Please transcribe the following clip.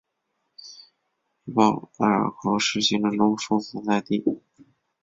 依傍艾尔河是行政中枢所在地。